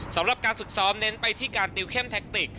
สำหรับการฝึกซ้อมเน้นไปที่การติวเข้มแท็กติก